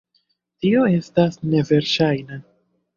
Tio estas neverŝajna.